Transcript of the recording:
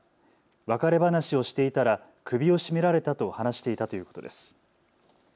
別れ話をしていたら首を絞められたと話していたということです。